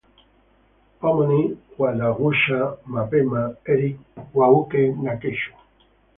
Omoni wadaghusha mapema eri uw'uke na kesho.